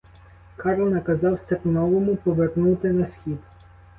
Кар наказав стерновому повернути на схід.